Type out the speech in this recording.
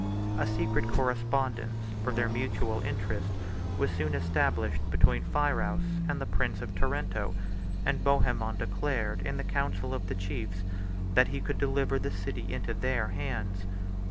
A secret correspondence, for their mutual interest, was soon established between Phirouz and the prince of Tarento; and Bohemond declared in the council of the chiefs, that he could deliver the city into their hands.